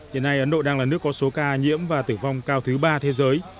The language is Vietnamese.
hiện nay ấn độ đang là nước có số ca nhiễm và tử vong cao thứ ba thế giới